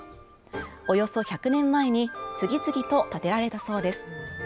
およそ１００年前に、次々と建てられたそうです。